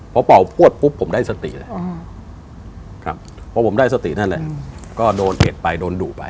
พอพ่อพรวดปุ๊บผมได้สติเลยครับพอผมได้สติเธอก็โดนเอดไปโดนดุไป